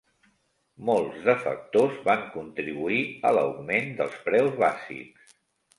Molts de factors van contribuir a l'augment dels preus bàsics.